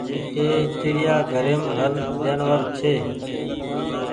اي چڙيا گهريم هر جآنور ڇي۔